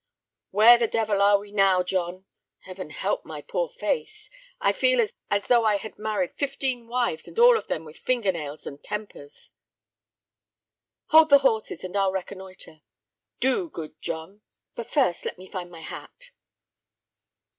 "Where the devil are we now, John? Heaven help my poor face! I feel as though I had married fifteen wives, and all of them with finger nails and tempers." "Hold the horses and I'll reconnoitre." "Do, good John; but first let me find my hat."